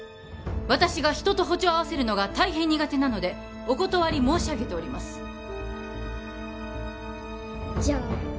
私が人と歩調を合わせるのが大変苦手なのでお断り申し上げておりますじゃ